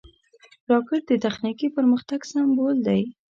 راکټ د تخنیکي پرمختګ سمبول دی